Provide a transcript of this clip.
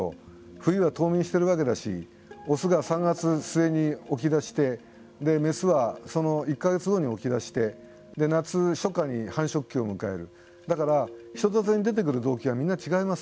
冬は冬眠しているわけだしオスが３月末に起きだしてメスはその１か月後に起きだして夏、初夏に繁殖期を迎えるだから、人里に出てくる動機はみんな違います。